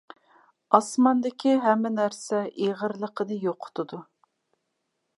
ئاسماندىكى ھەممە نەرسە ئېغىرلىقىنى يوقىتىدۇ.